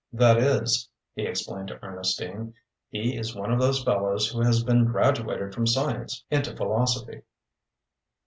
"That is," he explained to Ernestine, "he is one of those fellows who has been graduated from science into philosophy."